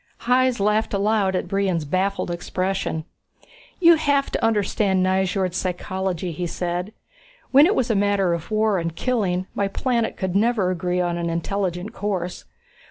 Hys laughed aloud at Brion's baffled expression. "You have to understand Nyjord psychology," he said. "When it was a matter of war and killing, my planet could never agree on an intelligent course.